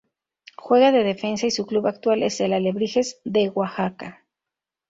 Juega de Defensa y su club actual es el Alebrijes de Oaxaca.